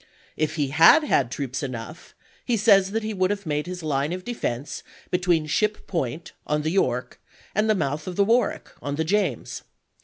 If he had had troops enough, he says that he would have made his line of defense between Ship Point, on the York, and the mouth of the Warwick, on the James.